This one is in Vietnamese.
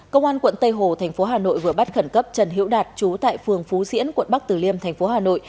công an quận tây hồ thành phố hà nội vừa bắt khẩn cấp trần hiễu đạt trú tại phường phú diễn quận bắc tử liêm thành phố hà nội